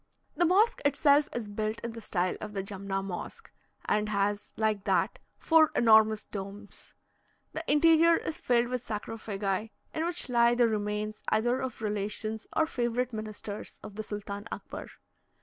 The mosque itself is built in the style of the Jumna Mosque, and has, like that, four enormous domes. The interior is filled with sarcophagi, in which lie the remains either of relations or favourite ministers of the Sultan Akbar.